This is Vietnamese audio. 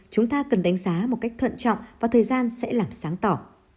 chúng ta cần đánh giá một cách thận trọng và thời gian sẽ làm sáng tỏ